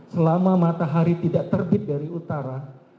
selama matahari tidak terbit dari utara